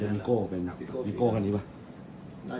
ส่วนสุดท้ายส่วนสุดท้าย